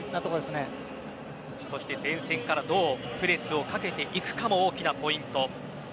そして前線からどうプレスをかけていくかも大きなポイント。